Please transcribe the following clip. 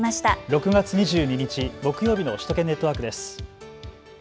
６月２２日、木曜日の首都圏ネットワークです。